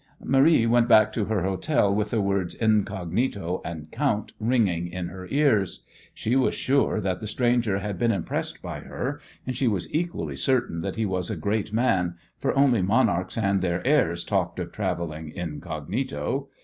Marie went back to her hotel with the words "incognito" and "count" ringing in her ears. She was sure that the stranger had been impressed by her, and she was equally certain that he was a great man, for only monarchs and their heirs talked of travelling "incognito."